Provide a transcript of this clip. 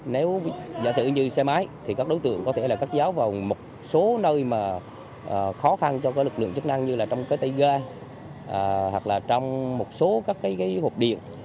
nếu giả sử như xe máy thì các đối tượng có thể là cắt giáo vào một số nơi mà khó khăn cho lực lượng chức năng như là trong cái tay ga hoặc là trong một số các cái hộp điện